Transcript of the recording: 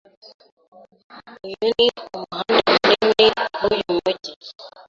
Uyu ni umuhanda munini wuyu mujyi.